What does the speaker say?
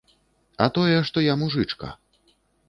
А тое, што я мужычка.